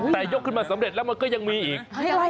แต่ยกขึ้นมาสำเร็จแล้วมันก็ยังมีอีก